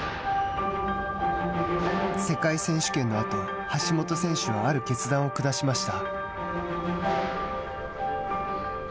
世界選手権のあと橋本選手はある決断を下しました。